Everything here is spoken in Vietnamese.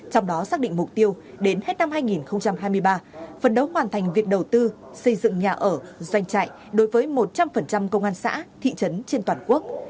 trong đó xác định mục tiêu đến hết năm hai nghìn hai mươi ba phần đấu hoàn thành việc đầu tư xây dựng nhà ở doanh trại đối với một trăm linh công an xã thị trấn trên toàn quốc